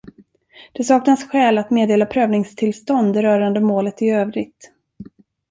Det saknas skäl att meddela prövningstillstånd rörande målet i övrigt.